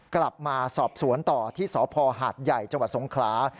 กลับมาสอบสวนต่อที่สภหาดใหญ่จสงครา